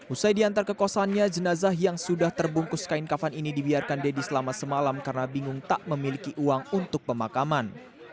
usai diantar ke kosannya jenazah yang sudah terbungkus kain kafan ini dibiarkan deddy selama semalam karena bingung tak memiliki uang untuk pemakaman